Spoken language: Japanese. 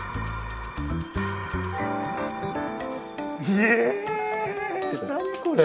ひえ何これ。